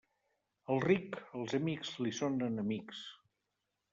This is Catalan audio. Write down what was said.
Al ric, els amics li són enemics.